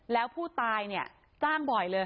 แล้วผู้ตายเนี่ยจ้างบ่อยเลย